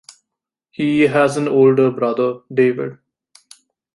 He has an older brother, David.